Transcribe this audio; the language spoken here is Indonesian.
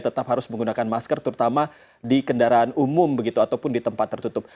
tetap harus menggunakan masker terutama di kendaraan umum begitu ataupun di tempat tertutup